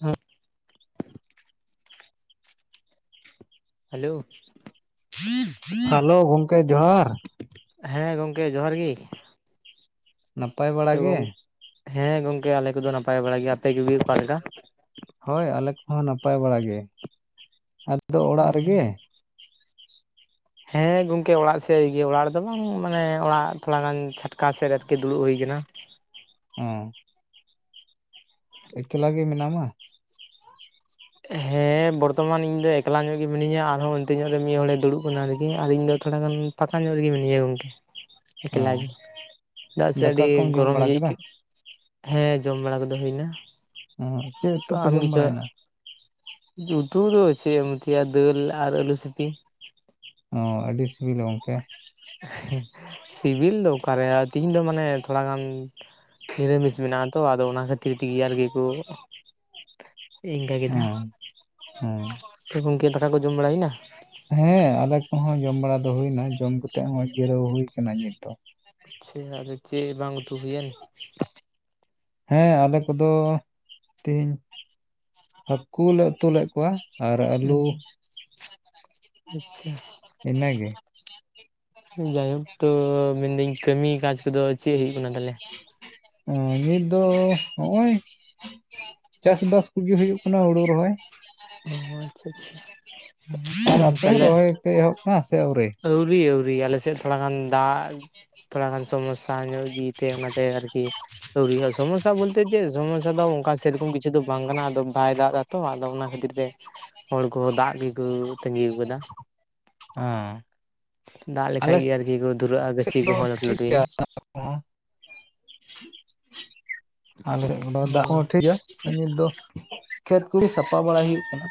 ᱦᱮᱸ hello hello ᱜᱚᱝᱠᱮ ᱡᱚᱦᱟᱨ ᱦᱮᱸ ᱜᱚᱝᱠᱮ ᱡᱚᱦᱟᱨ ᱜᱮ ᱱᱟᱯᱟᱭ ᱵᱟᱲᱟ ᱛᱚ ᱜᱮ ᱜᱚᱝ ᱦᱮᱸ ᱜᱚᱝᱠᱮ ᱟᱞᱮ ᱠᱚᱫᱚ ᱱᱟᱯᱟᱭ ᱵᱟᱲ ᱜᱮ᱾ ᱟᱯᱮ ᱠᱚᱜᱮ ᱚᱠᱟᱞᱮᱠᱟ? ᱦᱳᱭ ᱟᱞᱮ ᱠᱚᱦᱚᱸ ᱱᱟᱯᱟᱭ ᱵᱟᱲᱟ ᱜᱮ ᱟᱫᱚ ᱚᱲᱟᱜ ᱨᱮᱜᱮ ᱦᱮᱸ ᱜᱚᱝᱠᱮ ᱚᱲᱟᱜ ᱥᱮᱫ ᱨᱤᱜᱮ ᱚᱲᱟᱜ ᱨᱮᱫᱚ ᱵᱟᱝ ᱢᱟᱱᱮ ᱚᱲᱟᱜ ᱛᱷᱚᱲᱟ ᱜᱟᱱ ᱪᱷᱟᱴᱠᱟ ᱥᱮᱫ ᱟᱨᱠᱤ ᱫᱩᱲᱩᱵ ᱦᱩᱭ ᱠᱟᱱᱟ ᱩᱸ ᱮᱠᱞᱟ ᱜᱮ ᱢᱮᱱᱟᱢᱟ? ᱦᱮᱸ ᱵᱚᱨᱛᱚᱢᱟᱱ ᱤᱧ ᱫᱚ ᱮᱠᱞᱟ ᱧᱚᱜ ᱜᱮ ᱢᱤᱱᱟᱹᱧᱟ ᱟᱨᱦᱚᱸ ᱚᱱᱛᱮ ᱧᱚᱜ ᱨᱮ ᱢᱤᱫ ᱦᱚᱲᱮ ᱫᱩᱲᱩᱵ ᱠᱟᱱᱟ ᱟᱨᱠᱤ ᱟᱨ ᱤᱧ ᱫᱚ ᱛᱷᱚᱲᱟ ᱜᱟᱱ ᱯᱟᱷᱟᱠᱟ ᱧᱚᱜ ᱨᱮᱜᱮ ᱢᱱᱟᱤᱭᱟᱹ ᱜᱚᱝᱠᱮ ᱮᱠᱞᱟ ᱦᱚᱸ ᱜᱮ ᱪᱮᱫᱟᱜ ᱥᱮ ᱫᱟᱠᱟ ᱟᱹᱰᱤ ᱠᱚᱢ ᱡᱚᱢ ᱜᱚᱨᱚᱢ ᱵᱟᱲᱟ ᱜᱮ ᱠᱮᱫᱟ ᱟᱹᱭᱠᱟᱹᱜ ᱦᱮᱸ ᱡᱚᱢ ᱵᱟᱲᱟ ᱠᱚᱫᱚ ᱦᱩᱭᱱᱟ ᱦᱩᱸ ᱪᱮᱫ ᱛᱚ ᱩᱛᱩ ᱠᱚ ᱟᱢ ᱡᱚᱢ ᱜᱮᱪᱚ ᱵᱟᱲᱟᱭᱮᱱᱟ ᱡᱩᱛᱩ ᱫᱚ ᱪᱮᱫ ᱮᱢ ᱩᱛᱩᱭᱟ ᱫᱟᱹᱞ ᱟᱨ ᱟᱹᱞᱩ ᱥᱤᱯᱤ ᱚ ᱟᱹᱰᱤ ᱥᱤᱵᱤᱞᱟ ᱜᱚᱝᱠᱮ ᱥᱤᱵᱤᱞ ᱫᱚ ᱚᱠᱟᱨᱮ ᱛᱤᱦᱤᱧ ᱫᱚ ᱢᱟᱱᱮ ᱛᱷᱚᱲᱟ ᱜᱟᱱ ᱱᱤᱨᱟᱢᱤᱥ ᱢᱮᱱᱟᱜ-ᱟ ᱛᱚ ᱟᱫᱚ ᱚᱱᱟ ᱠᱷᱟᱹᱛᱤᱨ ᱛᱮᱜᱮ ᱟᱨᱠᱤ ᱠᱚ ᱤᱱᱠᱟᱹ ᱠᱮᱫᱟ ᱦᱚᱸ ᱦᱚᱸ ᱛᱚ ᱜᱚᱝᱠᱮ ᱫᱟᱠᱟ ᱠᱚ ᱡᱚᱢ ᱵᱟᱲᱟ ᱦᱩᱭᱱᱟ ᱦᱮᱸ ᱟᱞᱮ ᱠᱚᱦᱚᱸ ᱡᱚᱢ ᱵᱟᱲᱟ ᱫᱚ ᱦᱩᱭᱱᱟ ᱡᱚᱢ ᱠᱟᱛᱮᱫ ᱦᱚᱸ ᱚᱭ ᱡᱤᱨᱟᱹᱣ ᱦᱩᱭ ᱟᱠᱟᱱᱟ ᱱᱤᱛ ᱫᱚ ᱟᱪᱪᱷᱟ ᱟᱫᱚ ᱪᱮᱫ ᱵᱟᱝ ᱩᱛᱩ ᱦᱩᱭᱮᱱ? ᱦᱮᱸ ᱟᱞᱮ ᱠᱚᱫᱚ ᱛᱤᱦᱤᱧ ᱦᱟᱹᱠᱩ ᱞᱮ ᱩᱛᱩ ᱞᱮᱫ ᱠᱚᱣᱟ ᱟᱨ ᱟᱹᱞᱩ [inaudible] ᱟᱪᱪᱷᱟ ᱤᱱᱟᱹ ᱜᱮ ᱡᱟᱭᱦᱳᱠ ᱛᱚ ᱢᱮᱱᱫᱟᱹᱧ ᱠᱟᱹᱢᱤ ᱠᱟᱡᱽ ᱠᱚᱫᱚ ᱪᱮᱫ ᱦᱩᱭᱩᱜ ᱠᱟᱱᱟ ᱛᱟᱞᱮ? ᱩᱸ ᱱᱤᱛ ᱫᱚ ᱦᱚᱜᱚᱭ ᱪᱟᱥᱵᱟᱥ ᱠᱚᱜᱮ ᱦᱩᱭᱩᱜ ᱠᱟᱱᱟ ᱦᱩᱲᱩ ᱨᱚᱦᱚᱭ ᱚ ᱟᱪᱪᱷᱟ ᱟᱪᱪᱷᱟ ᱟᱨ ᱟᱯᱮ ᱛᱟᱦᱚᱞᱮ ᱨᱚᱦᱚᱭ ᱯᱮ ᱮᱦᱚᱵ ᱫᱟ ᱥᱮ ᱟᱹᱣᱨᱤ? ᱟᱹᱣᱨᱤ ᱟᱹᱣᱨᱤ ᱟᱞᱮᱥᱮᱫ ᱛᱷᱚᱲᱟ ᱜᱟᱱ ᱫᱟᱜ ᱛᱷᱚᱲᱟ ᱜᱟᱱ ᱥᱚᱢᱚᱥᱟ ᱧᱚᱜ ᱜᱮᱛᱮ ᱚᱱᱟᱛᱮ ᱟᱨᱠᱤ ᱟᱹᱣᱨᱤ ᱥᱚᱢᱚᱥᱟ ᱵᱚᱞᱛᱮ ᱪᱮᱫ ᱥᱚᱢᱚᱥᱟ ᱫᱚ ᱚᱱᱠᱟ ᱥᱮᱨᱚᱠᱚᱢ ᱠᱤᱪᱷᱩ ᱫᱚ ᱵᱟᱝ ᱠᱟᱱᱟ ᱟᱫᱚ ᱵᱟᱭ ᱫᱟᱜ ᱮᱫᱟ ᱛᱚ ᱟᱫᱚ ᱚᱱᱟ ᱠᱷᱟᱹᱛᱤᱨ ᱛᱮ ᱦᱚᱲ ᱠᱚ ᱫᱟᱜ ᱜᱮᱠᱚ ᱛᱟᱺᱜᱤ ᱟᱠᱟᱫᱟ ᱦᱚᱸ ᱫᱟᱜ ᱞᱮᱠᱷᱟᱡ ᱜᱮ ᱟᱨᱠᱤ ᱠᱚ ᱫᱷᱩᱨᱟᱹᱜᱼᱟ ᱜᱟᱹᱪᱷᱤ ᱫᱚ ᱠᱚᱦᱚᱸ ᱞᱟᱹᱴᱩ ᱴᱷᱤᱠ ᱞᱟᱹᱴᱩᱭᱮᱱᱟ [inaudible] ᱟᱞᱮ ᱚᱱᱟ ᱫᱟᱜ ᱦᱚᱸ ᱴᱷᱤᱠ ᱜᱮᱭᱟ ᱱᱤᱛ ᱫᱚ ᱠᱷᱮᱛ ᱠᱚ ᱥᱟᱯᱟ ᱵᱟᱲᱟᱭ ᱦᱩᱭᱩᱜ ᱠᱟᱱᱟ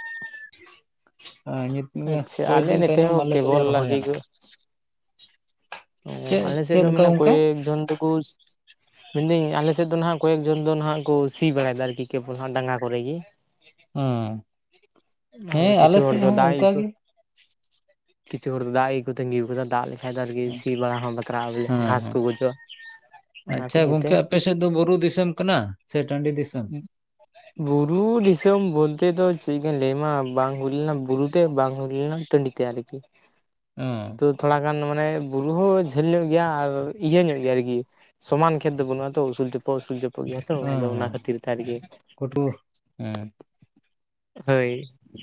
ᱤᱭᱟᱹ ᱟᱪᱪᱷᱟ ᱠᱚᱭᱮᱠ ᱟᱞᱮ ᱫᱤᱱ ᱱᱚᱛᱮ ᱛᱟᱭᱱᱚᱢ ᱦᱚᱸ ᱟᱞᱮ ᱫᱚᱞᱮ ᱠᱮᱵᱚᱞ ᱨᱚᱦᱚᱭᱟ ᱟᱨᱠᱤ ᱱᱟᱼᱦᱟᱸᱜ ᱚ ᱪᱮᱫ ᱟᱞᱮ ᱥᱮᱫ ᱪᱮᱫ ᱫᱚ ᱞᱮᱠᱟ ᱢᱟᱱᱮ ᱜᱚᱝᱠᱮ? ᱠᱚᱭᱮᱠ ᱡᱚᱱ ᱫᱚ ᱠᱚ ᱢᱮᱱᱮᱫᱟᱹᱧ ᱟᱞᱮᱥᱮᱫ ᱫᱚ ᱱᱟᱦᱟᱜ ᱠᱚᱭᱮᱠ ᱡᱚᱱ ᱫᱚ ᱱᱟᱦᱟᱜ ᱠᱚ ᱥᱤ ᱵᱟᱲᱟᱭᱮᱫᱟ ᱟᱨᱠᱤ ᱠᱮᱯᱚᱞ ᱦᱟᱜ ᱰᱟᱸᱜᱟ ᱠᱚᱨᱮᱜ ᱜᱮ ᱚ ᱟᱨ ᱦᱮᱸ ᱠᱤᱪᱷᱩ ᱟᱞᱮ ᱦᱚᱲ ᱥᱮᱫ ᱫᱚ ᱦᱚᱸ ᱫᱟᱜ ᱜᱮᱠᱚ ᱚᱱᱠᱟᱜᱮ ᱠᱤᱪᱷᱩ ᱦᱚᱲ ᱫᱚ ᱫᱟᱜ ᱜᱮᱠᱚ ᱛᱟᱸᱟᱹᱜᱤᱣᱟᱴ ᱟᱠᱟᱫᱟ ᱫᱟᱜ ᱞᱮ ᱱᱮᱛᱟᱨ ᱜᱮ ᱜᱮ ᱥᱤ ᱵᱟᱲᱟ ᱦᱚᱸ ᱵᱟᱛᱨᱟᱜᱼᱟ ᱵᱚᱞᱮ ᱦᱮᱸ ᱜᱷᱟᱥ ᱦᱮᱸ ᱠᱚ ᱜᱚᱡᱚᱜᱼᱟ ᱚᱱᱟ ᱠᱚ ᱟᱪᱪᱷᱟ ᱤᱭᱟᱹᱛᱮ ᱜᱚᱝᱠᱮ ᱟᱯᱮᱥᱮᱫ ᱫᱚ ᱵᱩᱨᱩ ᱫᱤᱥᱚᱢ ᱠᱟᱱᱟ ᱠᱟᱱᱟ ᱥᱮ ᱴᱟᱺᱰᱤ ᱫᱤᱥᱚᱢ? ᱵᱩᱨᱩ ᱫᱤᱥᱚᱢ ᱵᱚᱞᱛᱮ ᱫᱚ ᱪᱮᱫ ᱞᱟᱹᱭᱟᱢᱟ ᱵᱟᱝ ᱦᱩᱭ ᱞᱮᱱᱟ ᱵᱩᱨᱩ ᱛᱮ ᱵᱟᱝ ᱦᱩᱭ ᱞᱮᱱᱟ ᱴᱟᱺᱰᱤ ᱛᱮ ᱟᱨᱠᱤ ᱚ ᱛᱚ ᱛᱷᱚᱲᱟ ᱜᱟᱱ ᱢᱟᱱᱮ ᱵᱩᱨᱩ ᱦᱚᱸ ᱡᱷᱟᱹᱞ ᱧᱚᱜ ᱜᱮᱭᱟ ᱟᱨ ᱤᱭᱟᱹ ᱧᱚᱜ ᱜᱮᱭᱟ ᱟᱨᱠᱤ ᱥᱚᱢᱟᱱ ᱠᱷᱮᱛ ᱫᱚ ᱵᱟᱹᱱᱩᱜ ᱟᱛᱚ ᱩᱥᱩᱞ ᱪᱚᱯᱚᱜ ᱩᱥᱩᱞ ᱪᱚᱯᱚᱜ ᱜᱮᱭᱟᱛᱚ ᱟᱫᱚ ᱚᱱᱟ ᱠᱷᱟᱹᱛᱤᱨ ᱛᱮ ᱟᱨᱜᱮ ᱠᱚᱴᱩ ᱦᱩᱸ ᱦᱳᱭ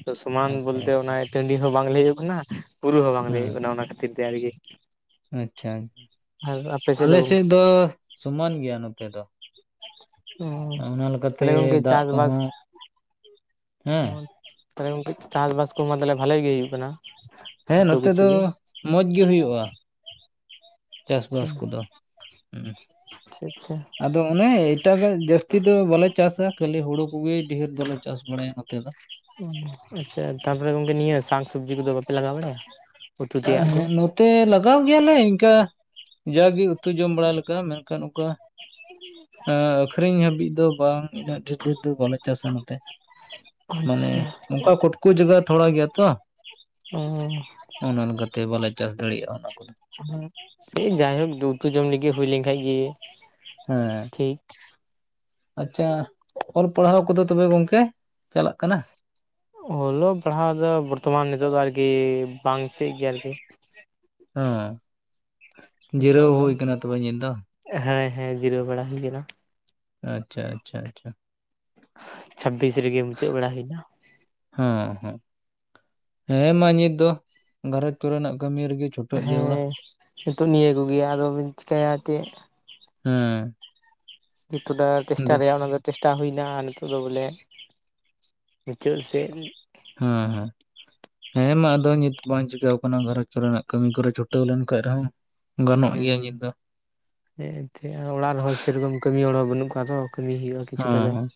ᱛᱚ ᱥᱚᱢᱟᱱ ᱟᱪᱪᱷᱟ ᱵᱚᱞᱛᱮ ᱟᱪᱪᱷᱟ ᱚᱱᱟ ᱴᱟᱺᱰᱤ ᱦᱚᱸ ᱵᱟᱝ ᱞᱟᱹᱭ ᱦᱳᱭᱳᱜ ᱠᱟᱱᱟ ᱵᱩᱨᱩ ᱦᱚᱸ ᱵᱟᱝ ᱞᱟᱹᱭ ᱦᱳᱭᱳᱜ ᱠᱟᱱᱟ ᱚᱱᱟ ᱠᱷᱟᱹᱛᱤᱨ [unintelligible] ᱟᱪᱪᱷᱟ ᱟᱨ ᱟᱯᱮ ᱥᱮᱫ ᱟᱞᱮᱥᱮᱫ ᱜᱚᱝᱠᱮ ᱫᱚ ᱥᱚᱢᱟᱱ ᱜᱮᱭᱟ ᱱᱚᱛᱮ ᱫᱚ ᱚᱱᱟ ᱞᱮᱠᱟᱛᱮ ᱛᱟᱦᱚᱞᱮ ᱜᱚᱝᱠᱮ ᱫᱟᱜ ᱠᱚᱦᱚᱸ ᱦᱮᱸ ᱚ ᱛᱟᱞᱦᱮ ᱜᱚᱝᱠᱮ ᱪᱟᱥᱵᱟᱥ ᱠᱚᱢᱟ ᱛᱟᱞᱦᱮ ᱵᱷᱟᱞᱮ ᱜᱮ ᱦᱩᱭᱩᱜ ᱠᱟᱱᱟ, ᱦᱮᱸ ᱡᱚᱛᱚ ᱱᱚᱛᱮ ᱠᱤᱪᱷᱩ ᱫᱚ ᱜᱮ ᱢᱚᱸᱡᱽ ᱜᱮ ᱦᱩᱭᱩᱜᱼᱟ ᱪᱟᱥᱵᱟᱥ ᱠᱚᱫᱚ ᱦᱩᱸ ᱟᱪᱪᱷᱟ ᱟᱪᱪᱷᱟ ᱟᱫᱚ ᱚᱱᱮ ᱮᱴᱟᱜᱟᱜ ᱡᱟᱹᱥᱛᱤ ᱫᱚ ᱵᱟᱞᱮ ᱪᱟᱥᱟ ᱠᱷᱟᱹᱞᱤ ᱦᱩᱲᱩ ᱠᱚᱜᱮ ᱰᱷᱮᱨ ᱫᱚᱞᱮ ᱪᱟᱥ ᱵᱟᱲᱟᱭᱟ ᱱᱚᱛᱮ ᱫᱚ, ᱟᱪᱪᱷᱟ ᱛᱟᱨᱯᱚᱨᱮ ᱜᱚᱢᱠᱮ ᱱᱤᱭᱟᱹ ᱥᱟᱠ ᱥᱚᱵᱽᱡᱤ ᱠᱚᱫᱚ ᱵᱟᱯᱮ ᱞᱟᱜᱟᱣ ᱵᱟᱲᱟᱭᱟ? ᱩᱛᱩ ᱛᱮᱭᱟᱜ ᱠᱚ ᱦᱮᱸ ᱱᱚᱛᱮ ᱞᱟᱜᱟᱣ ᱜᱮᱭᱟᱞᱮ ᱤᱱᱠᱟ ᱡᱟᱜᱮ ᱩᱛᱩ ᱡᱚᱢ ᱵᱟᱲᱟ ᱞᱮᱠᱟ ᱢᱮᱱᱠᱷᱟᱱ ᱚᱱᱠᱟ ᱮᱸ ᱟᱹᱠᱷᱨᱤᱧ ᱦᱟᱹᱵᱤᱡ ᱫᱚ ᱵᱟᱝ ᱩᱱᱟᱹᱜ ᱰᱷᱮᱨ ᱰᱷᱮᱨ ᱫᱚ ᱵᱟᱞᱮ ᱪᱟᱥᱟ ᱱᱚᱛᱮ, ᱢᱟᱱᱮ ᱟᱪᱪᱷᱟ ᱱᱚᱝᱠᱟ ᱠᱚᱴᱠᱩ ᱡᱟᱭᱜᱟ ᱛᱷᱚᱲᱟ ᱜᱮᱭᱟ ᱛᱚ, ᱚᱻ ᱚᱱᱮ ᱚᱱᱠᱟ ᱛᱮ ᱵᱟᱞᱮ ᱞᱮᱠᱟᱛᱮ ᱵᱟᱞᱮ ᱪᱟᱥ ᱫᱟᱲᱮᱭᱟᱜᱼᱟ ᱚᱱᱟ ᱠᱚᱫᱚ, ᱦᱮ ᱥᱮ ᱡᱟᱭᱦᱳᱠ ᱩᱛᱩ ᱡᱚᱢ ᱞᱟᱹᱜᱤᱫ ᱦᱩᱭ ᱞᱮᱱᱠᱷᱟᱡ ᱜᱮ, ᱦᱮᱸ ᱴᱷᱤᱠ ᱟᱪᱪᱷᱟ ᱚᱞ ᱯᱟᱲᱦᱟᱣ ᱠᱚᱫᱚ ᱛᱚᱵᱮ ᱜᱚᱝᱠᱮ ᱪᱟᱞᱟᱜ ᱠᱟᱱᱟ? ᱚᱞᱚᱜ ᱯᱟᱲᱦᱟᱣ ᱫᱚ ᱵᱚᱨᱛᱚᱢᱟᱱ ᱱᱤᱛᱚᱜ ᱫᱚ ᱟᱨᱠᱤ ᱵᱟᱝ ᱥᱮᱫ ᱜᱮ ᱟᱨᱠᱤ ᱩᱸ ᱱᱤᱛᱚᱜ ᱡᱤᱨᱟᱹᱣ ᱫᱚ ᱦᱩᱭ ᱟᱠᱟᱱᱟ ᱛᱚᱵᱮ ᱤᱧᱫᱚ᱾ ᱦᱮᱸ ᱦᱮᱸ ᱡᱤᱨᱟᱹᱣ ᱵᱟᱲᱟ ᱦᱩᱭ ᱠᱟᱱᱟ᱾ ᱟᱪᱪᱷᱟ ᱟᱪᱪᱷᱟ ᱟᱪᱪᱷᱟ, ᱪᱷᱟᱵᱤᱥ ᱨᱮᱜᱮ ᱢᱩᱪᱟᱹᱫ ᱵᱟᱲᱟ ᱦᱩᱭᱱᱟ᱾ ᱦᱚᱸ ᱦᱚᱸ ᱦᱮᱸ ᱢᱟ ᱱᱤᱛ ᱫᱚ ᱜᱷᱟᱨᱚᱡᱽ ᱠᱚᱨᱮᱱᱟᱜ ᱠᱟᱹᱢᱤ ᱨᱮᱜᱮ᱾ ᱪᱷᱩᱴᱟᱹᱜ ᱦᱮᱸ ᱡᱟᱹᱨᱩᱲᱟ ᱱᱤᱛᱳᱜ ᱱᱤᱭᱟᱹ ᱠᱚᱜᱮ ᱟᱫᱚᱵᱤᱱ ᱪᱤᱠᱟᱹᱭᱟ ᱪᱮᱫ᱾ ᱦᱮᱸ [inaudible] ᱪᱮᱥᱴᱟ ᱟᱫᱚ ᱨᱮᱭᱟᱜ ᱚᱱᱟ ᱫᱚ ᱪᱮᱥᱴᱟ ᱦᱩᱭᱱᱟ ᱟᱨ ᱱᱤᱛᱚᱜ ᱫᱚ ᱵᱚᱞᱮ᱾ ᱢᱩᱪᱟᱹᱫ ᱥᱮᱫ ᱦᱮᱸ ᱦᱮᱸ ᱦᱮᱸ ᱢᱟ ᱟᱫᱚ ᱱᱤᱛ ᱵᱟᱝ ᱪᱤᱠᱟᱹᱣ ᱟᱠᱟᱱᱟ ᱜᱷᱟᱨᱚᱡᱽ ᱠᱚᱨᱮᱱᱟᱜ ᱠᱟᱹᱢᱤ ᱠᱚᱨᱮ ᱪᱷᱩᱴᱟᱹᱣ ᱞᱮᱱᱠᱟᱱᱡ ᱨᱮᱦᱚᱸ᱾ ᱜᱟᱱᱚᱜ ᱜᱮᱭᱟ ᱦᱮᱸ ᱱᱤᱛ ᱫᱚ ᱦᱮᱸ ᱮᱱᱛᱮᱫ ᱚᱲᱟᱜ ᱨᱮᱦᱚᱸ ᱥᱮᱨᱚᱠᱚᱢ ᱠᱟᱹᱢᱤ ᱦᱚᱲ ᱦᱚᱸ ᱵᱟᱹᱱᱩᱜ ᱠᱚᱣᱟ ᱛᱚ ᱠᱟᱹᱢᱤ ᱦᱩᱭᱩᱜᱼᱟ᱾ ᱠᱤᱪᱷᱩᱴᱟ ᱦᱚᱸ ᱫᱚ ᱦᱚᱸ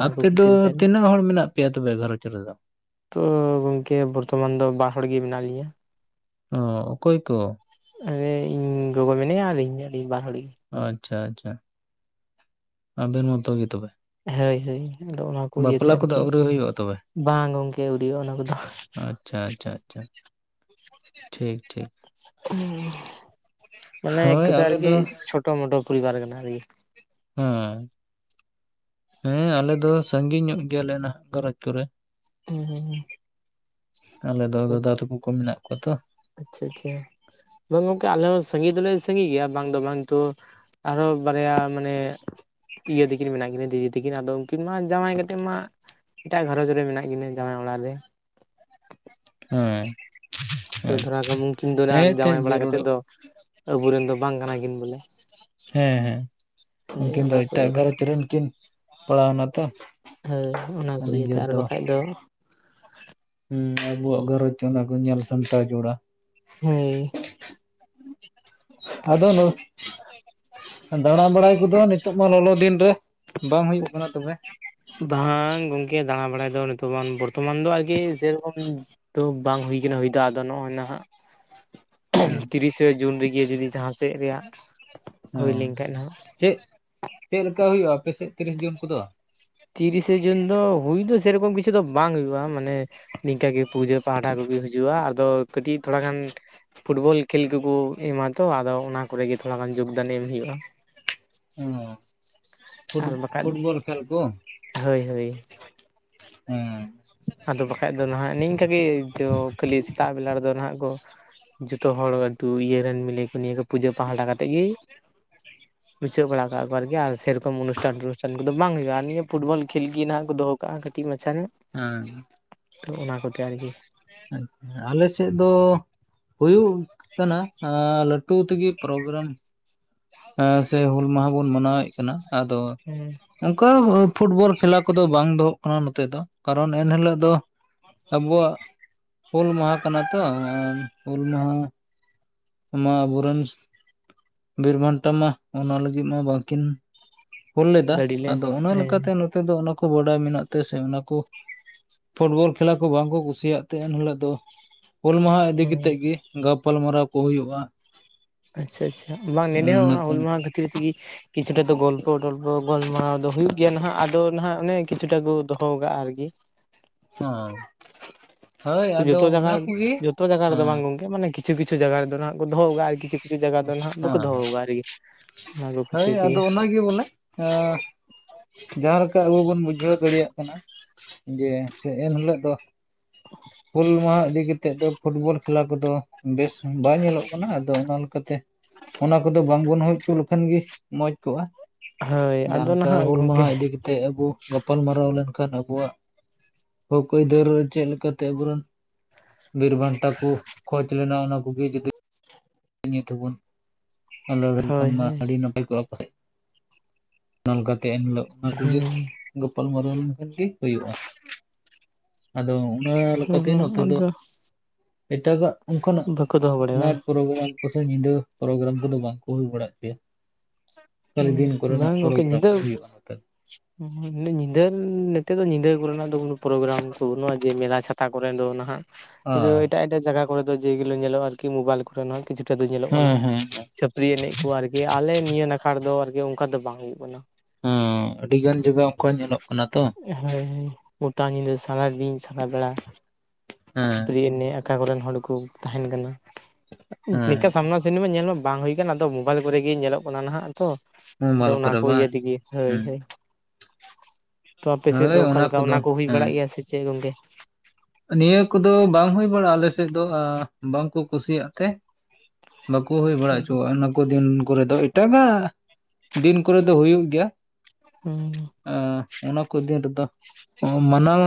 ᱚᱱᱟ ᱠᱚ ᱟᱯᱮ ᱫᱚ ᱠᱷᱟᱹᱛᱤᱨ ᱛᱮ ᱛᱤᱱᱟᱹᱜ ᱦᱚᱲ ᱢᱮᱱᱟᱜ ᱯᱮᱭᱟ ᱛᱚᱵᱮ ᱜᱷᱟᱨᱚᱸᱡᱽ ᱨᱮᱫᱚ᱾ ᱛᱚ ᱜᱚᱝᱠᱮ ᱵᱚᱨᱛᱚᱢᱟᱱ ᱫᱚ ᱵᱟᱨ ᱦᱚᱲ ᱜᱮ ᱢᱮᱱᱟᱜ ᱞᱤᱧᱟᱹ᱾ ᱚ ᱚᱠᱚᱭ ᱠᱚ᱾ ᱮ ᱤᱧ ᱜᱚᱜᱚ ᱢᱮᱱᱟᱧᱟ ᱟᱹᱞᱤᱧ ᱟᱹᱰᱤ ᱵᱟᱨ ᱦᱚᱲ ᱜᱮ᱾ ᱟᱪᱪᱷᱟ ᱟᱪᱪᱷᱟ ᱟᱵᱮᱱ ᱢᱚᱛᱚ ᱜᱮ ᱛᱚᱵᱮ᱾ ᱦᱳᱭ ᱦᱳᱭ ᱟᱫᱚ ᱚᱱᱟ ᱠᱚ ᱤᱭᱟᱹᱛᱮ ᱵᱟᱯᱞᱟ ᱠᱚᱫᱚ ᱟᱨᱠᱤ ᱟᱹᱣᱨᱤ ᱦᱩᱭᱩᱜᱼᱟ ᱛᱚᱵᱮ ᱵᱟᱝ ᱜᱚᱢᱠᱮ ᱟᱹᱣᱩᱨᱼᱟ ᱚᱱᱟ ᱠᱚᱫᱚ᱾ ᱟᱪᱪᱷᱟ ᱟᱪᱪᱷᱟ ᱟᱪᱪᱷᱟ ᱴᱷᱤᱠ ᱴᱷᱤᱠ᱾ ᱢᱟᱱᱮ ᱦᱳᱭ ᱠᱚᱛᱷᱟ ᱟᱞᱮ ᱟᱨᱠᱤ ᱫᱚ ᱪᱷᱳᱴᱳ ᱢᱳᱴᱳ ᱯᱚᱨᱤᱵᱟᱨ ᱠᱟᱱᱟ ᱟᱨᱠᱤ᱾ ᱦᱮᱸ [unintelligible] ᱦᱮᱸ ᱟᱞᱮ ᱫᱚ ᱥᱟᱺᱜᱤᱧ ᱧᱚᱜ ᱜᱮᱭᱟᱞᱮ ᱱᱟᱦᱟᱜ ᱜᱷᱟᱨᱚᱸᱡᱽ ᱠᱚᱨᱮ᱾ ᱦᱩᱸ ᱦᱩᱸ ᱟᱞᱮ ᱫᱚ ᱫᱟᱫᱟ ᱛᱟᱠᱚ ᱠᱚ ᱢᱮᱱᱟᱜ ᱠᱚᱣᱟ ᱛᱚ᱾ ᱟᱪᱪᱷᱟ ᱟᱪᱪᱷᱟ ᱵᱟᱝ ᱜᱚᱝᱠᱮ ᱟᱞᱮ ᱦᱚᱸ ᱥᱟᱺᱜᱤᱧ ᱫᱚᱞᱮ ᱥᱟᱺᱜᱤᱧ ᱜᱮᱭᱟ ᱵᱟᱝ ᱫᱚ ᱵᱟᱝ ᱛᱚ᱾ ᱟᱨᱚᱦᱚᱸ ᱵᱟᱨᱭᱟ ᱢᱟᱱᱮ᱾ ᱤᱭᱟᱹ ᱛᱟᱹᱠᱤᱱ ᱢᱮᱱᱟᱜ ᱠᱤᱱᱟᱹ ᱫᱤᱫᱤ ᱛᱟᱠᱤᱱ ᱟᱫᱚ ᱩᱱᱠᱤᱱ ᱢᱟ ᱡᱟᱶᱟᱭ ᱠᱟᱛᱮᱫ ᱢᱟ᱾ ᱮᱴᱟᱜ ᱜᱷᱟᱨᱚᱸᱧᱡᱽ ᱨᱮ ᱢᱮᱱᱟᱜ ᱠᱤᱱᱟᱹ ᱡᱟᱶᱟᱭ ᱚᱲᱟᱜ ᱨᱮ᱾ [unintelligible] ᱛᱚ ᱫᱷᱚᱨᱟᱣ ᱠᱟᱢ ᱩᱱᱠᱤᱱ ᱫᱚ ᱟᱨ ᱦᱮᱸ ᱡᱟᱶᱟᱭ ᱛᱮᱫ ᱵᱟᱲᱟ ᱠᱟᱛᱮᱫ ᱡᱟᱹᱨᱩᱲᱚᱜ ᱫᱚ ᱟᱵᱚᱨᱮᱱ ᱫᱚ ᱵᱟᱝ ᱠᱟᱱᱟ ᱠᱤᱱ ᱵᱚᱞᱮ᱾ ᱦᱮᱸ ᱦᱮᱸ ᱦᱳᱭ ᱩᱱᱠᱤᱱ ᱫᱚ ᱚᱱᱟ ᱠᱚ ᱮᱴᱟᱜ ᱜᱷᱟᱨᱚᱧᱡᱽ ᱨᱮᱱ ᱠᱤᱱ ᱯᱟᱲᱟᱣᱮᱱᱟ ᱛᱚ᱾ ᱦᱳᱭ ᱚᱱᱟ ᱠᱚ ᱤᱭᱟᱹᱛᱮ ᱱᱤᱡᱮᱨ ᱟᱨ ᱵᱟᱠᱷᱟᱡ ᱫᱚ᱾ ᱦᱮᱸ ᱟᱵᱚᱣᱟᱜ ᱜᱷᱟᱨᱚᱸᱡᱽ ᱚᱱᱟ ᱠᱚ ᱧᱮᱞ ᱥᱟᱢᱴᱟᱣ ᱡᱚᱲᱟ᱾ ᱦᱮᱸ ᱟᱫᱚ ᱱᱩ ᱫᱟᱲᱟᱸ ᱵᱟᱲᱟᱭ ᱠᱚᱫᱚ ᱱᱤᱛᱚᱜ ᱢᱟ ᱞᱚᱞᱚ ᱫᱤᱱ ᱨᱮ᱾ ᱵᱟᱝ ᱦᱩᱭᱩᱜ ᱠᱟᱱᱟ ᱛᱚᱵᱮ᱾ ᱵᱟᱝ ᱜᱚᱝᱠᱮ ᱫᱟᱬᱟᱸ ᱵᱟᱲᱟᱭ ᱫᱚ ᱱᱤᱛᱚᱜᱵᱟᱱ ᱵᱚᱨᱛᱚᱢᱟᱱ ᱫᱚ ᱟᱨᱠᱤ ᱥᱮᱨᱚᱠᱚᱢ᱾ ᱛᱚ ᱵᱟᱝ ᱦᱩᱭ ᱠᱟᱱᱟ ᱦᱩᱭ ᱫᱚ ᱟᱫᱚ ᱱᱚᱜ-ᱚᱭ ᱱᱟᱦᱟᱜ᱾ ᱦᱮᱸ ᱛᱤᱨᱤᱥᱮ ᱡᱩᱱ ᱨᱮᱜᱮ ᱡᱩᱫᱤ ᱡᱟᱦᱟᱸ ᱥᱮᱫ ᱨᱮᱭᱟᱜ᱾ ᱦᱩᱭ ᱦᱮᱸ ᱞᱮᱱᱠᱷᱟᱡ ᱱᱟᱦᱟᱜ ᱪᱮᱫ ᱪᱮᱫ ᱞᱮᱠᱟ ᱦᱩᱭᱩᱜᱼᱟ ᱟᱯᱮᱥᱮᱫ ᱛᱤᱨᱤᱥ ᱡᱩᱱ ᱠᱚᱫᱚ᱾ ᱛᱤᱨᱤᱥᱮ ᱡᱩᱱ ᱫᱚ ᱦᱩᱭ ᱫᱚ ᱥᱮᱨᱚᱠᱚᱢ ᱠᱤᱪᱷᱩ᱾ ᱠᱤᱪᱷᱩ ᱫᱚ ᱵᱟᱝ ᱦᱩᱭᱩᱜᱼᱟ ᱢᱟᱱᱮ ᱱᱤᱝᱠᱟᱹ ᱜᱮ ᱯᱩᱡᱟᱹ ᱯᱟᱦᱴᱟ ᱠᱚᱜᱮ ᱦᱤᱡᱩᱜᱼᱟ ᱟᱫᱚ᱾ ᱠᱟᱹᱴᱤᱡ ᱛᱷᱚᱲᱟ ᱜᱟᱱ᱾ ᱯᱷᱩᱴᱵᱚᱞ ᱠᱷᱮᱞ ᱠᱚᱠᱚ ᱮᱢᱟ ᱛᱚ ᱟᱫᱚ ᱚᱱᱟ ᱠᱚᱨᱮ ᱜᱮ ᱛᱷᱚᱲᱟ ᱜᱟᱱ ᱡᱳᱜᱫᱟᱱ ᱮᱢ ᱦᱩᱭᱩᱜᱼᱟ᱾ ᱚ ᱟᱨ ᱵᱟᱠᱷᱟᱡᱽ ᱠᱚ ᱦᱳᱭ ᱦᱳᱭ᱾ ᱦᱩᱸ ᱟᱫᱚ ᱵᱟᱠᱷᱟᱡ ᱫᱚ ᱱᱟᱦᱟᱜ ᱱᱤᱝᱠᱟᱹ ᱜᱮ ᱡᱚ ᱠᱷᱟᱹᱞᱤ ᱥᱮᱛᱟᱜ ᱵᱮᱞᱟ ᱨᱮᱫᱚ ᱱᱟᱦᱟᱜ ᱜᱚ ᱡᱷᱚᱛᱚ ᱦᱚᱲ ᱫᱩ ᱤᱭᱟᱹ ᱨᱮᱱ ᱢᱤᱞᱮ ᱠᱚ ᱱᱤᱭᱟᱹ ᱠᱚ ᱯᱩᱡᱟᱹ ᱯᱟᱦᱴᱟ ᱠᱟᱛᱮᱫ ᱜᱮ ᱜᱩᱪᱷᱟᱹᱣ ᱵᱟᱲᱟ ᱠᱟᱜ-ᱟ ᱠᱚ ᱟᱨᱠᱤ ᱟᱨ ᱥᱮ ᱨᱚᱠᱚᱢ ᱚᱱᱩᱴᱷᱟᱱ ᱴᱚᱱᱩᱴᱷᱟᱱ ᱠᱚ ᱫᱚ ᱵᱟᱝ ᱦᱩᱭᱩᱜᱼᱟ ᱟᱨ ᱱᱤᱭᱟᱹ ᱯᱷᱩᱴᱵᱚᱞ ᱠᱷᱮᱞ ᱜᱮ ᱱᱟᱦᱟᱜ ᱠᱚ ᱫᱚᱦᱚ ᱠᱟᱜ ᱟ ᱠᱟᱹᱴᱤᱡ ᱢᱟᱪᱷᱟ ᱧᱚᱜ ᱦᱮᱸ ᱛᱚ ᱚᱱᱟ ᱠᱚᱛᱮ ᱟᱨᱠᱤ ᱟᱞᱮ ᱥᱮᱫ ᱫᱚ ᱦᱩᱭᱩᱜ ᱠᱟᱱᱟ ᱟ ᱞᱟᱹᱴᱩ ᱴᱩ ᱛᱮᱜᱮ ᱯᱨᱳᱜᱨᱟᱢ ᱦᱮᱸ ᱥᱮ ᱦᱩᱞ ᱢᱟᱦᱟ ᱵᱚᱱ ᱢᱟᱱᱟᱣᱮᱫ ᱠᱟᱱᱟ, ᱟᱫᱚ ᱦᱮᱸ ᱚᱱᱠᱟ ᱯᱷᱩᱴᱵᱚᱞ ᱠᱷᱮᱞᱟ ᱠᱚᱫᱚ ᱵᱟᱝ ᱫᱚᱦᱚᱜ ᱠᱟᱱᱟ ᱱᱚᱛᱮ, ᱫᱚ ᱠᱟᱨᱚᱱ ᱮᱱ ᱦᱤᱞᱳᱜ ᱫᱚ ᱟᱵᱚᱣᱟᱜ ᱦᱩᱞ ᱢᱟᱦᱟ ᱠᱟᱱᱟ ᱛᱚ ᱟᱨᱻ ᱦᱩᱞ ᱢᱟᱦᱟ ᱢᱟ ᱟᱵᱚᱨᱮᱱ ᱵᱤᱨᱵᱟᱱᱴᱟ ᱢᱟ ᱚᱱᱟ ᱞᱟᱹᱜᱤᱫ ᱢᱟ ᱵᱟᱝ ᱠᱤᱱ ᱦᱩᱞ ᱞᱮᱫᱟ, ᱜᱟᱹᱰᱤ ᱞᱮ ᱟᱫᱚ ᱚᱱᱟ ᱦᱮᱸ ᱞᱮᱠᱟᱛᱮ ᱱᱚ ᱱᱚᱛᱮ ᱫᱚ ᱚᱱᱟ ᱠᱚ ᱵᱟᱰᱟᱭ ᱢᱮᱱᱟᱜ ᱛᱮ ᱥᱮ ᱚᱱᱟ ᱠᱚ ᱯᱷᱩᱴᱵᱚᱞ ᱠᱷᱮᱞᱟ ᱠᱚ ᱵᱟᱝ ᱠᱚ ᱠᱩᱥᱤᱭᱟᱜ ᱛᱮ ᱮᱱ ᱦᱤᱞᱳᱜ ᱫᱚ ᱦᱩᱞ ᱢᱟᱦᱟ ᱤᱫᱤ ᱦᱮᱸ ᱠᱟᱛᱮᱫ ᱜᱮ ᱜᱟᱯᱟᱞ ᱢᱟᱨᱟᱣ ᱠᱚ ᱦᱩᱭᱩᱜᱼᱟ᱾ ᱟᱪᱪᱷᱟ ᱟᱪᱪᱷᱟ ᱵᱟᱝ ᱱᱮᱸᱰᱮ ᱦᱚᱸ ᱚᱱᱟ ᱦᱩᱞ ᱢᱟᱦᱟ ᱠᱷᱟᱹᱛᱤᱨ ᱛᱮᱜᱤ ᱠᱤᱪᱷᱩᱴᱟ ᱫᱚ ᱜᱚᱞ ᱜᱚᱞᱯᱚ-ᱴᱚᱞᱯᱚ ᱜᱟᱞᱢᱟᱨᱟᱣ ᱫᱚ ᱦᱩᱭᱩᱜ ᱜᱮᱭᱟ ᱱᱟᱦᱟᱜ, ᱟᱫᱚ ᱱᱟᱦᱟᱜ ᱚᱱᱮ ᱠᱤᱪᱷᱩᱴᱟ ᱠᱚ ᱫᱚᱦᱚ ᱠᱟᱜᱼᱟ ᱟᱨᱠᱤ ᱦᱚᱸ ᱛᱚ ᱡᱚᱛᱚ ᱡᱟᱭᱜᱟ ᱨᱮ ᱡᱚᱛᱚ ᱡᱟᱭᱜᱟ ᱨᱮᱫᱚ ᱵᱟᱝ ᱦᱮᱸ ᱜᱚᱝᱠᱮ ᱢᱟᱱᱮ ᱠᱤ ᱠᱤᱪᱷᱩ ᱠᱤᱪᱷᱩ ᱡᱟᱭᱜᱟ ᱨᱮᱫᱚ ᱱᱟᱦᱟᱜ ᱫᱚᱦᱚ ᱟᱠᱟᱫ ᱟᱨ ᱠᱤᱷᱩ ᱠᱤᱪᱷᱩ ᱡᱟᱭᱜᱟ ᱫᱚ ᱱᱟᱦᱟᱜ ᱵᱟᱠᱚ ᱦᱮᱸ ᱫᱚᱦᱚ ᱟᱠᱟᱜ-ᱟ ᱟᱨᱠᱤ ᱚᱱᱟ ᱠᱚ ᱦᱳᱭ ᱠᱷᱟᱹᱛᱤᱨ ᱛᱮᱜᱮ ᱟᱫᱚ ᱚᱱᱟ ᱜᱮ ᱵᱚᱞᱮ ᱟ ᱡᱟᱦᱟᱸᱞᱮᱠᱟ ᱟᱵᱚ ᱵᱚᱱ ᱵᱩᱡᱷᱟᱹᱣ ᱫᱟᱲᱮᱭᱟᱜ ᱠᱟᱱᱟ, ᱡᱮ ᱮᱱᱦᱤᱞᱟᱹᱜ ᱫᱚ [unintelligible] ᱦᱩᱞ ᱢᱟᱦᱟ ᱤᱫᱤ ᱠᱟᱛᱮᱫ ᱫᱚ ᱯᱷᱩᱴᱵᱚᱞ ᱠᱷᱮᱞᱟ ᱠᱚ ᱫᱚ ᱵᱮᱥ ᱵᱟᱭ ᱧᱮᱞᱚᱜ ᱠᱟᱱᱟ, ᱟᱫᱚ ᱚᱱᱟ ᱞᱮᱠᱟᱛᱮ ᱚᱱᱟ ᱠᱚᱫᱚ ᱵᱟᱝᱵᱚᱱ ᱦᱩᱭ ᱦᱚᱪᱚ ᱞᱮ ᱞᱮᱠᱷᱟᱱ ᱜᱮ ᱢᱚᱸᱡᱽ ᱠᱚᱜᱼᱟ ᱦᱳᱭ ᱡᱟᱦᱟᱸ ᱟᱫᱚ ᱞᱮᱠᱟ ᱱᱟᱦᱟᱜ ᱦᱩᱞ ᱢᱟᱦᱟ ᱜᱚᱝᱠᱮ ᱤᱫᱤ ᱠᱟᱛᱮ ᱛᱮ ᱟᱵᱚ ᱜᱟᱯᱟᱞ ᱢᱟᱨᱟᱨᱟᱣ ᱞᱮᱱᱠᱷᱟᱱ, ᱟᱵᱚᱣᱟᱜ ᱦᱚᱠ ᱟᱹᱭᱫᱟᱹᱨ ᱪᱮᱫ ᱞᱮᱠᱟ ᱛᱮ ᱟᱵᱩᱨᱮᱱ ᱵᱤᱨ ᱵᱟᱱᱴᱟ ᱠᱚ ᱠᱷᱚᱡᱽ ᱞᱮᱱᱟ ᱾ ᱚᱱᱟ ᱠᱚᱜᱮ ᱡᱩᱫᱤ ᱱᱤᱛ ᱦᱚᱵᱩᱱ ᱟᱞᱚ ᱞᱮᱠᱷᱟᱱ ᱦᱳᱭ ᱢᱟ ᱦᱳᱭ ᱟᱹᱰᱤ ᱱᱟᱯᱟᱭ ᱠᱚᱜᱼᱟ ᱯᱟᱥᱮᱡ᱾ ᱚᱱᱠᱟ ᱛᱮ ᱮᱱᱦᱤᱞᱳᱜ ᱚᱱᱟ ᱠᱚᱜᱮ ᱜᱳᱯᱟᱞᱢᱟᱨᱟᱣ ᱞᱮᱠᱷᱟᱱ ᱜᱮ ᱦᱩᱭᱩᱜᱼᱟ᱾ ᱟᱫᱚ ᱩᱱ ᱚᱱᱟ ᱞᱮᱠᱟᱛᱮ ᱦᱩᱸ ᱱᱚᱛᱮ ᱫᱚ ᱟᱫᱚ ᱮᱴᱟᱜᱟᱜ, ᱚᱱᱠᱟᱱᱟᱜ ᱵᱟᱠᱚ ᱫᱚᱦᱚ ᱵᱟᱲᱟᱭᱟ ᱵᱟᱝ ᱱᱟᱴ ᱯᱨᱚᱜᱨᱟᱢ ᱯᱟᱥᱮ ᱧᱤᱫᱟᱹ ᱯᱨᱳᱜᱨᱟᱢ ᱠᱚᱫᱚ ᱵᱟᱝ ᱠᱚ ᱦᱳᱭ ᱵᱟᱲᱟᱜ ᱯᱮᱭᱼᱟ ᱠᱷᱟᱞᱤ ᱦᱩᱸ ᱫᱤᱱ ᱠᱚᱨᱮᱱᱟᱜ ᱵᱟᱝ ᱜᱚᱝᱠᱮ ᱯᱨᱳᱜᱨᱟᱢ ᱧᱤᱫᱟᱹ ᱜᱮ ᱦᱳᱭᱳᱜᱼᱟ ᱱᱚᱛᱮ ᱧᱤᱫᱟᱹ ᱱᱮᱛᱮ ᱫᱚ ᱧᱤᱫᱟᱹ ᱠᱚᱨᱮᱱᱟᱜ ᱫᱚ ᱠᱳᱱᱳ ᱯᱨᱳᱜᱨᱟᱢ ᱠᱚ ᱵᱟᱱᱩᱹᱜ ᱟ, ᱡᱮ ᱢᱮᱞᱟ ᱪᱷᱟᱛᱟ ᱠᱚᱨᱮ ᱫᱚ ᱱᱟᱦᱟᱜ ᱱᱤᱛᱚᱜ ᱫᱚ ᱦᱳᱭ ᱮᱴᱟᱜ ᱮᱴᱟᱜ ᱡᱟᱜᱟ ᱠᱚᱨᱮ ᱫᱚ ᱡᱮ ᱜᱩᱞᱚ ᱧᱮᱞᱚᱜᱼᱟ ᱟᱨᱠᱤ ᱢᱳᱵᱟᱭᱤᱞ ᱠᱚᱨᱮ ᱦᱚᱸ ᱠᱤᱪᱷᱩ ᱨᱮ ᱫᱚ ᱧᱮᱞᱚᱜ ᱠᱟᱱᱟ ᱦᱮᱸ ᱦᱮᱸ ᱪᱷᱟᱹᱯᱨᱤ ᱮᱱᱮᱡ ᱠᱚ ᱟᱨᱠᱤ ᱟᱞᱮ ᱱᱤᱭᱟᱹ ᱱᱟᱠᱷᱟ ᱨᱮ ᱫᱚ ᱟᱨᱠᱤ ᱚᱱᱠᱟ ᱫᱚ ᱵᱟᱝ ᱦᱩᱭᱩᱜ ᱠᱟᱱᱟ ᱦᱩᱸ ᱟᱹᱰᱤ ᱜᱟᱱ ᱡᱟᱜᱟ ᱚᱱᱠᱟ ᱧᱮᱞᱚᱜ ᱠᱟᱱᱟ ᱛᱚ ᱦᱮᱸ ᱜᱚᱴᱟ ᱧᱤᱫᱟᱹ ᱥᱟᱨᱟ ᱫᱤᱱ ᱥᱟᱨᱟ ᱵᱮᱲᱟ ᱦᱮᱸ ᱪᱷᱟᱯᱨᱤ ᱮᱱᱮᱡ ᱟᱠᱟ ᱠᱚᱨᱮᱱ ᱦᱚᱲ ᱠᱚ ᱛᱟᱦᱮᱱ ᱠᱟᱱᱟ ᱦᱮᱸ ᱪᱮᱜᱠᱟ ᱥᱟᱢᱱᱟ ᱥᱟᱢᱱᱤ ᱢᱟ ᱧᱮᱞ ᱢᱟ ᱵᱟᱝ ᱦᱳᱭ ᱠᱟᱱᱟ ᱟᱫᱚ ᱢᱳᱵᱟᱞ ᱠᱚᱨᱮᱜ ᱜᱮ ᱧᱮᱞᱚᱜ ᱠᱟᱱᱟ ᱱᱟᱦᱟᱜ ᱛᱷᱚ ᱟᱫᱚ ᱢᱳᱵᱟᱭᱤᱞ ᱚᱱᱟ ᱠᱚᱨᱮ ᱠᱚ ᱤᱭᱟᱹ ᱵᱟᱝ ᱛᱮᱜᱮ ᱦᱳᱭ ᱦᱮᱸ ᱦᱳᱭ ᱛᱚ ᱟᱯᱮ ᱥᱮᱫ ᱫᱚ ᱦᱳᱭ ᱚᱠᱟ ᱞᱮᱠᱟ ᱠᱚᱫᱚ ᱚᱱᱟ ᱠᱚ ᱦᱩᱭ ᱦᱮᱸ ᱵᱟᱲᱟᱜ ᱜᱮᱭᱟ ᱥᱮ ᱪᱮᱫ ᱜᱚᱝᱠᱮ? ᱱᱤᱭᱟᱹ ᱠᱚᱫᱚ ᱵᱟᱝ ᱦᱩᱭ ᱵᱟᱲᱟᱜᱼᱟ ᱟᱞᱮ ᱥᱮᱫ ᱫᱚ ᱵᱟᱝ ᱠᱚ ᱠᱩᱥᱤᱭᱟᱜ ᱛᱮ, ᱵᱟᱠᱚ ᱦᱩᱭ ᱵᱟᱲᱟ ᱦᱚᱪᱚᱣᱼᱟ ᱚᱱᱟ ᱠᱚ ᱫᱤᱱ ᱠᱚᱨᱮᱫ ᱫᱚ, ᱮᱴᱟᱜᱟᱜ ᱫᱤᱱ ᱠᱚᱨᱮᱫᱚ ᱦᱩᱭᱩᱜ ᱜᱮᱭᱟ ᱾ ᱦᱩᱸ᱾ ᱟᱸ ᱚᱱᱟ ᱠᱚ ᱫᱤᱱ ᱨᱮᱫᱚ ᱢᱟᱱᱟᱣ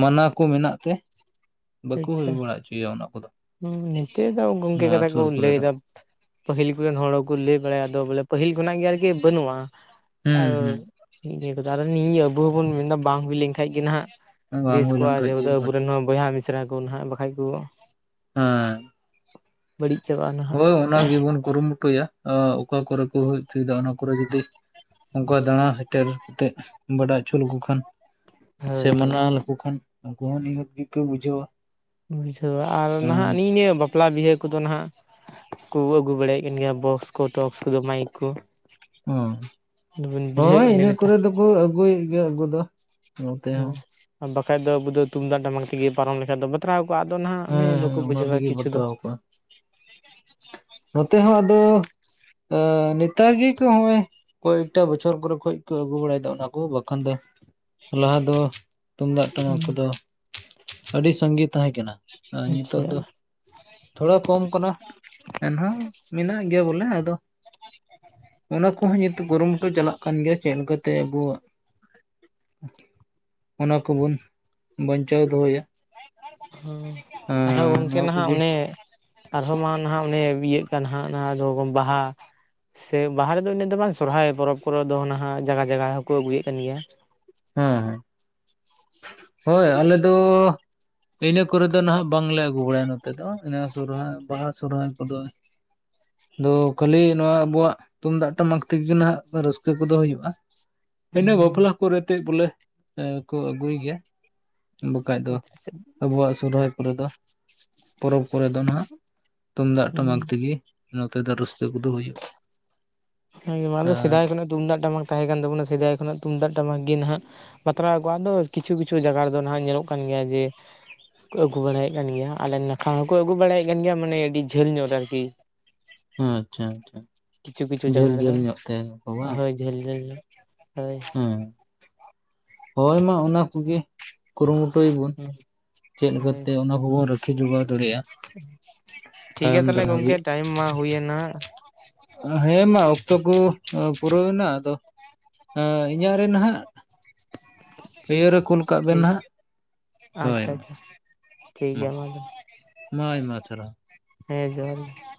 ᱢᱟᱱᱟ ᱠᱚ ᱢᱮᱱᱟᱜ ᱛᱮ ᱵᱟᱠᱚ ᱦᱩᱭ ᱵᱟᱲᱟ ᱩᱪᱩᱭᱟ ᱚᱱᱟ ᱠᱚᱫᱚ ᱾ ᱦᱢ ᱱᱤᱛᱚᱜ ᱫᱚ ᱜᱚᱝᱠᱮ ᱠᱟᱛᱷᱟ ᱠᱚ ᱫᱚ ᱞᱟᱹᱭᱮᱫᱟ ᱯᱟᱹᱦᱤᱞ ᱠᱚᱨᱮᱱ ᱦᱚᱲ ᱦᱚᱸᱠᱚ ᱞᱟᱹᱭ ᱵᱟᱲᱟᱭᱟ ᱟᱫᱚ ᱵᱚᱞᱮ ᱯᱟᱹᱦᱤᱞ ᱠᱷᱚᱱᱟᱜ ᱜᱮ ᱟᱨᱠᱤ ᱵᱟᱹᱱᱩᱜᱼᱟ ᱟᱨ ᱦᱩᱸ ᱦᱩᱸ ᱠᱟᱨᱚᱱ ᱱᱤᱭᱟᱹ ᱟᱵᱚ ᱦᱚᱸᱵᱚᱱ ᱢᱮᱱᱫᱟ ᱵᱟᱝ ᱦᱩᱭ ᱞᱮᱱᱠᱷᱟᱡ ᱜᱮ ᱱᱟᱦᱟᱜ ᱵᱟᱝ ᱵᱮᱥ ᱦᱩᱭ ᱠᱚᱜᱼᱟ ᱞᱮᱱᱠᱷᱟᱡ ᱜᱮ ᱡᱮᱦᱮᱛᱩ ᱢᱚᱡᱽ ᱟᱵᱚᱨᱮᱱ ᱦᱚᱸ ᱵᱚᱭᱦᱟ ᱢᱤᱥᱨᱟ ᱠᱚ ᱱᱟᱦᱟᱜ ᱵᱟᱠᱷᱟᱡ ᱠᱚ ᱦᱮᱸ ᱾ ᱵᱟᱹᱲᱤᱡ ᱪᱟᱵᱟᱜᱼᱟ ᱱᱟᱜ ᱾ ᱛᱚ ᱚᱱᱟ ᱜᱮᱵᱚᱱ ᱠᱩᱨᱩᱢᱩᱴᱩᱭᱟ, ᱟ ᱚᱠᱟ ᱠᱚᱨᱮ ᱠᱚ ᱦᱩᱭ ᱦᱚᱪᱚᱭᱮᱫᱟ ᱚᱱᱟ ᱠᱚᱨᱮ ᱡᱩᱫᱤ ᱚᱱᱠᱟ ᱫᱟᱬᱟ ᱥᱮᱴᱮᱨ ᱠᱟᱛᱮᱜ ᱵᱟᱰᱟᱭ ᱚᱪᱚ ᱞᱮᱠᱚ ᱠᱷᱟᱱ ᱥᱮ ᱦᱳᱭ ᱦᱳᱭ ᱢᱟᱱᱟ ᱞᱮᱠᱚ ᱠᱷᱟᱱ ᱩᱱᱠᱩ ᱦᱚᱸ ᱱᱤᱦᱟᱹᱛ ᱜᱮᱠᱚ ᱵᱩᱡᱷᱟᱹᱣᱟ ᱾ ᱵᱩᱡᱷᱟᱹᱣᱟ ᱟᱨ ᱱᱟᱦᱟᱜ ᱱᱤᱜ ᱱᱤᱭᱟᱹ ᱵᱟᱯ ᱵᱟᱯᱞᱟ ᱵᱤᱦᱟᱹ ᱠᱚᱫᱚ ᱦᱟᱜ ᱠᱚ ᱟᱹᱜᱩ ᱵᱟᱲᱟᱭᱮᱫ ᱠᱟᱱ ᱜᱮᱭᱟ ᱵᱚᱠᱥ ᱠᱚ ᱴᱚᱠᱥ ᱠᱚᱫᱚ ᱢᱟᱭᱤᱠ ᱠᱚ ᱚ, ᱵᱚᱱ ᱦᱳᱭ ᱵᱩᱡᱷᱟᱹᱣᱮᱫ ᱠᱟᱱᱟ ᱤᱱᱟᱹ ᱱᱮᱛᱟᱨ ᱠᱚᱨᱮ ᱫᱚᱠᱚ ᱟᱹᱜᱩᱭᱮᱜ ᱜᱮᱭᱟ ᱟᱹᱜᱩ ᱫᱚ ᱾ ᱦᱢ, ᱟᱨ ᱵᱟᱠᱷᱟᱡ ᱫᱚ ᱟᱵᱩ ᱫᱚ ᱛᱩᱢᱫᱟᱜ ᱴᱟᱢᱟᱠ ᱛᱮᱜᱮ ᱯᱟᱨᱚᱢ ᱞᱮᱠᱷᱟᱡ ᱫᱚ ᱵᱟᱛᱨᱟᱣ ᱠᱚᱜᱼᱟ ᱟᱫᱚ ᱱᱟᱜ ᱚᱱᱮ ᱦᱮᱸ ᱵᱟᱠᱚ ᱦᱮᱸ ᱚᱱᱟ ᱵᱩᱡᱷᱟᱹᱣᱟ ᱛᱮᱜᱮ ᱠᱤᱪᱷᱩ ᱫᱚ ᱵᱟᱛᱨᱟᱣ ᱠᱚᱣᱟ ᱱᱚᱛᱮ ᱦᱚᱸ ᱟᱫᱚ ᱟᱸ ᱱᱮᱛᱟᱨ ᱜᱮ ᱠᱚᱜᱼᱚᱭ ᱠᱚᱭᱮᱠᱴᱟ ᱵᱚᱪᱷᱚᱨ ᱠᱚᱨᱮ ᱠᱷᱚᱡ ᱠᱚ ᱟᱹᱜᱩ ᱵᱟᱲᱟᱭᱮᱫᱟ ᱚᱱᱟ ᱠᱚ ᱵᱟᱠᱷᱟᱱ ᱫᱚ ᱞᱟᱦᱟ ᱫᱚ ᱛᱩᱢᱫᱟᱜ ᱴᱟᱢᱟᱠ ᱠᱚᱫᱚ ᱟᱹᱰᱤ ᱥᱟᱸᱜᱮ ᱛᱟᱦᱮᱸ ᱠᱟᱱᱟ, ᱟᱨ ᱱᱤᱛᱳᱜ ᱟᱪᱪᱷᱟ ᱫᱚ ᱛᱷᱚᱲᱟ ᱠᱚᱢ ᱠᱟᱱᱟ ᱾ ᱮᱱᱦᱚᱸ ᱢᱮᱱᱟᱜ ᱜᱮᱭᱟ ᱵᱚᱞᱮ ᱟᱫᱚ ᱚᱱᱟ ᱠᱚᱦᱚᱸ ᱱᱤᱛᱳᱜ ᱠᱩᱨᱩᱼᱢᱩᱴᱩ ᱪᱟᱞᱟᱜ ᱠᱟᱱ ᱜᱮᱭᱟ ᱪᱮᱫ ᱞᱮᱠᱟ ᱛᱮ ᱟᱵᱚ ᱚᱱᱟ ᱠᱚᱵᱚᱱ ᱵᱟᱧᱪᱟᱣ ᱫᱚᱦᱚᱭᱟ ᱾ ᱦᱚᱸ ᱟᱨᱦᱚᱸ ᱜᱚᱝᱠᱮ ᱱᱚᱣᱟ ᱱᱟᱦᱟᱜ ᱠᱚᱜᱮ ᱚᱱᱮ ᱟᱨᱦᱚᱸ ᱢᱟ ᱱᱟᱦᱟᱜ ᱚᱱᱮ ᱤᱭᱟᱹᱜ ᱠᱟᱱ ᱦᱟᱜ ᱚᱱᱟ ᱫᱚ ᱵᱟᱦᱟ ᱥᱮ ᱵᱟᱦᱟ ᱨᱮᱫᱚ ᱤᱱᱟᱹᱜ ᱫᱚ ᱵᱟᱝ ᱥᱚᱨᱦᱟᱭ ᱯᱚᱨᱚᱵᱽ ᱠᱚᱨᱮ ᱫᱚ ᱱᱟᱦᱟᱜ ᱡᱟᱜᱟ ᱡᱟᱜᱟ ᱦᱚᱸᱠᱚ ᱟᱹᱜᱩᱭᱮᱫ ᱠᱟᱱ ᱜᱮᱭᱼᱟ ᱾ ᱦᱮᱸ ᱦᱮᱸ, ᱦᱳᱭ ᱟᱞᱮ ᱫᱚ ᱤᱱᱟᱹ ᱠᱚᱨᱮ ᱫᱚ ᱱᱟᱦᱟᱜ ᱵᱟᱝᱞᱮ ᱟᱹᱜᱩ ᱵᱟᱲᱟᱭᱟ ᱱᱚᱛᱮ ᱫᱚ ᱤᱱᱟᱹ ᱥᱚᱨᱦᱟᱭ, ᱵᱟᱦᱟ ᱥᱚᱨᱦᱟᱭ ᱠᱚᱫᱚ [inaudible] ᱟᱫᱚ ᱠᱷᱟᱹᱞᱤ ᱱᱚᱣᱟ ᱟᱵᱩᱣᱟᱜ ᱛᱩᱢᱫᱟᱜ ᱴᱟᱢᱟᱠ ᱛᱮᱜᱮ ᱱᱟᱦᱟᱜ ᱨᱟᱹᱥᱠᱟᱹ ᱠᱚᱫᱚ ᱦᱩᱭᱩᱜᱼᱟ, ᱤᱱᱟᱹ ᱵᱟᱯᱞᱟ ᱠᱚᱨᱮᱜ ᱛᱮ ᱵᱚᱞᱮ ᱠᱚ ᱟᱹᱜᱩᱭ ᱜᱮᱭᱟ ᱾ ᱵᱟᱠᱷᱟᱡ ᱫᱚ ᱟᱪᱪᱷᱟ ᱟᱪᱪᱷᱟ ᱟᱵᱚᱣᱟᱜ ᱥᱚᱨᱦᱟᱭ ᱠᱚᱨᱮ ᱫᱚ ᱯᱚᱨᱚᱵᱽ ᱠᱚᱨᱮ ᱫᱚ ᱱᱟᱦᱜ ᱛᱩᱢᱫᱟᱜ ᱴᱟᱢᱟᱠ ᱛᱮᱜᱮ ᱱᱚᱛᱮ ᱫᱚ ᱨᱟᱹᱥᱠᱟᱹ ᱠᱚᱫᱚ ᱦᱩᱭᱩᱜᱼᱟ ᱾ ᱦᱮᱸᱥᱮ ᱵᱟᱝ ᱟᱫᱚ ᱥᱮᱫᱟᱭ ᱠᱷᱚᱱᱟᱜ ᱛᱩᱢᱫᱟᱜ ᱴᱟᱢᱟᱠ ᱛᱟᱦᱮᱸ ᱠᱟᱱ ᱛᱟᱵᱚᱱᱟ ᱥᱮᱫᱟᱭ ᱠᱷᱚᱱᱟᱜ ᱛᱩᱢᱫᱟᱜ ᱴᱟᱢᱟᱠ ᱜᱮ ᱱᱟᱦᱟᱜ ᱵᱟᱛᱨᱟᱣ ᱠᱚᱣᱟᱜ ᱟᱫᱚ ᱠᱤᱪᱷᱩ- ᱠᱤᱪᱷᱩ ᱡᱟᱭᱜᱟ ᱨᱮᱫᱚ ᱱᱟᱦᱟᱜ ᱧᱮᱞᱚᱜ ᱠᱟᱱ ᱜᱮᱭᱟ ᱡᱮ ᱠᱚ ᱟᱹᱜᱩ ᱵᱟᱲᱟᱭᱮᱫ ᱠᱟᱱ ᱜᱮᱭᱟ ᱟᱞᱮ ᱱᱟᱠᱷᱟ ᱦᱚᱸᱠᱚ ᱟᱹᱜᱩ ᱵᱟᱲᱟᱭᱮᱫ ᱠᱟᱱ ᱜᱮᱭᱟ ᱢᱟᱱᱮ ᱟᱹᱰᱤ ᱡᱷᱟᱹᱞ ᱧᱚᱜ ᱨᱮ ᱟᱨᱠᱤ [inaudible] ᱟᱪᱪᱷᱟ ᱟᱪᱪᱷᱟ, ᱠᱤᱪᱷᱩ ᱠᱤᱪᱷᱩ ᱡᱷᱟᱹᱞ ᱡᱟᱭᱜᱟ ᱨᱮᱫᱚ ᱡᱷᱟᱹᱞ ᱧᱚᱜ ᱛᱟᱦᱮᱱᱟᱠᱚ ᱵᱟᱝ? ᱦᱳᱭ ᱡᱷᱟᱹᱞ ᱡᱷᱟᱹᱞ ᱜᱮ ᱦᱳᱭ ᱾ ᱦᱮᱸ, ᱦᱳᱭ ᱢᱟ ᱚᱱᱟ ᱠᱚᱜᱮ ᱠᱩᱨᱩᱢᱩᱴᱩᱭᱼᱵᱚᱱ ᱾ ᱪᱮᱫ ᱦᱳᱭ ᱞᱮᱠᱟᱛᱮ ᱚᱱᱟ ᱠᱚᱵᱚᱱ ᱨᱟᱹᱠᱷᱤ ᱡᱚᱜᱟᱣ ᱫᱟᱲᱮᱭᱟᱜᱼᱟ ᱾ ᱴᱷᱤᱠ ᱜᱮᱭᱟ ᱛᱟᱦᱚᱞᱮ ᱜᱚᱝᱠᱮ ᱴᱟᱭᱤᱢ ᱢᱟ ᱦᱩᱭᱮᱱᱟ ᱾ ᱦᱮᱸ ᱢᱟ ᱚᱠᱛᱚ ᱠᱚ ᱯᱩᱨᱟᱹᱣ ᱮᱱᱟ ᱟᱫᱚ ᱤᱧᱟᱹᱜ ᱨᱮ ᱱᱟᱦᱟᱜ ᱤᱭᱟᱹ ᱨᱮ ᱠᱩᱞ ᱠᱟᱜ ᱵᱮᱱ ᱴᱷᱤᱠ ᱱᱟᱦᱟᱸᱜ ᱾ ᱟᱪᱪᱷᱟ ᱟᱪᱪᱷᱟ ᱾ ᱴᱷᱤᱠ ᱜᱮᱭᱟ ᱢᱟ ᱟᱫᱚ ᱾ ᱠᱟᱪᱨᱟ ᱦᱮᱸ ᱡᱚᱦᱟᱨ ᱜᱮ ᱾